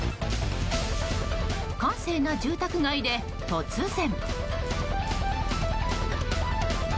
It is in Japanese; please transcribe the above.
閑静な住宅街で、突然。